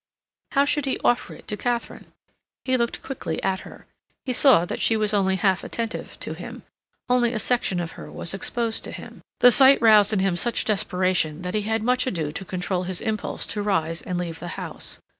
How should he offer it to Katharine? He looked quickly at her. He saw that she was only half attentive to him; only a section of her was exposed to him. The sight roused in him such desperation that he had much ado to control his impulse to rise and leave the house.